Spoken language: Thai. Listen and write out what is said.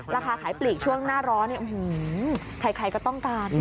ราคาขายปลีกช่วงหน้าร้อนใครก็ต้องการ